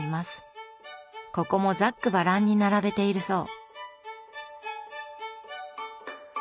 ここもざっくばらんに並べているそう。